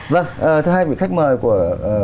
vâng thứ hai vị khách mời của